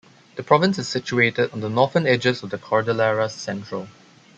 The province is situated on the northern edges of the Cordillera Central.